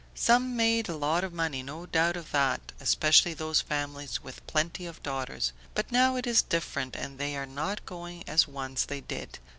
Some made a lot of money, no doubt of that, especially those families with plenty of daughters; but now it is different and they are not going as once they did